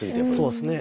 そうですね。